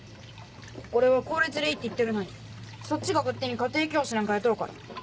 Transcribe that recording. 俺は公立でいいって言ってるのにそっちが勝手に家庭教師なんか雇うから。